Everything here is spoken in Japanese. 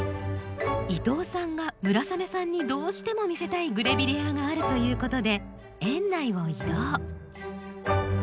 伊藤さんが村雨さんにどうしても見せたいグレビレアがあるということで園内を移動。